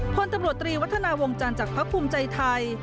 พลตำรวจตรีวัฒนาวงจันทร์จากพักภูมิใจไทย